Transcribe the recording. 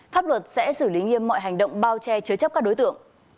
pháp luật sẽ xử lý nghiêm mọi hành động bao che chứa chấp các đối tượng